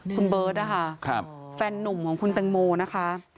คุณเบิร์ตนะคะแฟนนุ่มของคุณแตงโมนะคะ